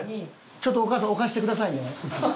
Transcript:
ちょっとお母さん置かせてくださいね。